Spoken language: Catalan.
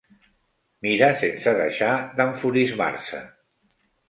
Mira sense deixar d'enfurismar-se.